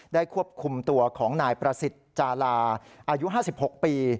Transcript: ได้ควบคุมตัวของนายประสิทธิ์จาราอายุห้าสิบหกปี